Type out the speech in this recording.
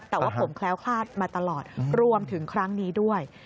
แต่ว่าผมแคล้วคลาดมาตลอดรวมถึงครั้งนี้ด้วย